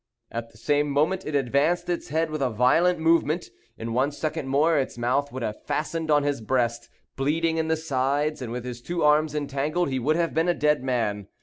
At the same moment it advanced its head with a violent movement. In one second more its mouth would have fastened on his breast. Bleeding in the sides, and with his two arms entangled, he would have been a dead man.